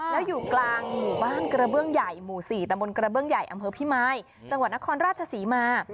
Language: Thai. แล้วอยู่กลางหมู่บ้านกระเบื้องใหญ่หมู่๔ตะบนกระเบื้องใหญ่อำเภอพิมายจังหวัดนครราชศรีมา